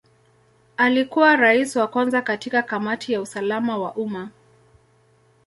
Alikuwa Rais wa kwanza katika Kamati ya usalama wa umma.